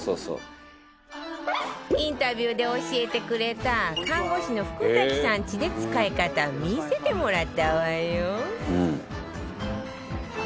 インタビューで教えてくれた看護師の福崎さんちで使い方見せてもらったわよ